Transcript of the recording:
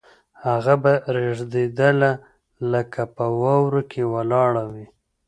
هغه به رېږدېدله لکه په واورو کې ولاړه وي